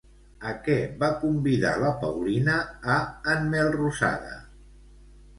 A què va convidar la Paulina a en Melrosada?